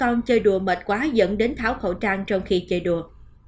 con chơi đùa mệt quá dẫn đến tháo khẩu trang trong khi chơi đùa